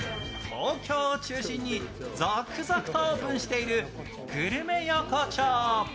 東京を中心に続々とオープンしているグルメ横丁。